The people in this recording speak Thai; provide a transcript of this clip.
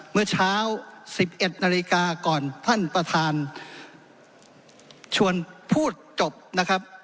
เมื่อเช้า๑๑นาฬิกาก่อนท่านประธานชวนพูดจบนะครับ